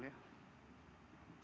silahkan yang lain